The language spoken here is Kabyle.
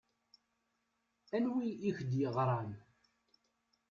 Anwi i k-d-yeɣṛan?